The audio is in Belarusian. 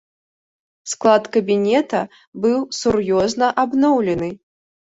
Склад кабінета быў сур'ёзна абноўлены.